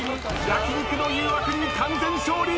焼き肉の誘惑に完全勝利。